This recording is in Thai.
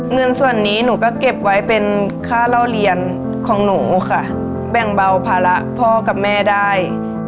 เงินส่วนนี้หนูก็เก็บไว้เป็นค่าเล่าเรียนของหนูค่ะแบ่งเบาภาระพ่อกับแม่ได้